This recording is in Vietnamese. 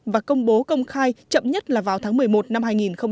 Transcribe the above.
và công bố công khai chậm nhất là vào tháng một mươi một năm hai nghìn một mươi chín